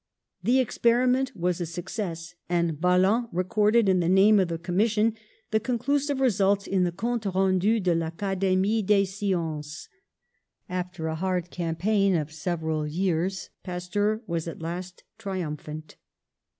The experiment was a success, and Baland recorded, in the name of the Commis sion, the conclusive results, in the Comtes Rendus de VAcademie des Sciences. After a hard campaign of several years Pasteur was at last triumphant.